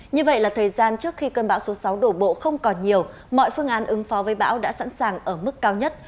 như vậy là thời gian trước khi cơn bão số sáu đổ bộ không còn nhiều mọi phương án ứng phó với bão đã sẵn sàng ở mức cao nhất